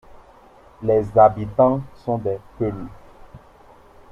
Les habitants sont des Peuls.